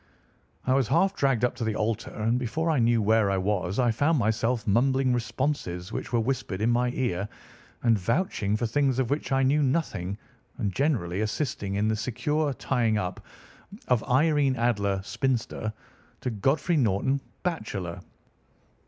"I was half dragged up to the altar, and before I knew where I was I found myself mumbling responses which were whispered in my ear, and vouching for things of which I knew nothing, and generally assisting in the secure tying up of Irene Adler, spinster, to Godfrey Norton, bachelor.